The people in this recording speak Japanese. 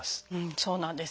そうなんです。